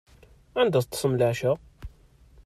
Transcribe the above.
Anda teṭṭsem leɛca?